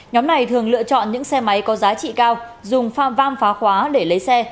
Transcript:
nhóm này thường lựa chọn những xe máy có giá trị cao dùng pha vam phá khóa để lấy xe